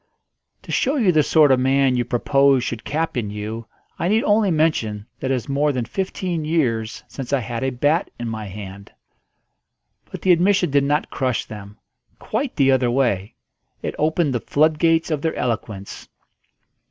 "To show you the sort of man you propose should captain you, I need only mention that it is more than fifteen years since I had a bat in my hand." But the admission did not crush them: quite the other way. It opened the floodgates of their eloquence.